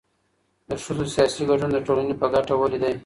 د ښځو سياسي ګډون د ټولني په ګټه ولي دی؟